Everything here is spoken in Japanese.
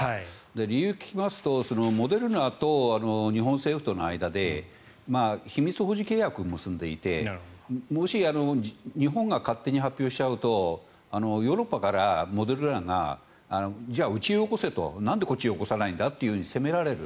理由を聞きますとモデルナと日本政府との間で秘密保持契約を結んでいてもし日本が勝手に発表しちゃうとヨーロッパからモデルナがじゃあ、うちによこせとなんでこっちによこさないんだと責められる。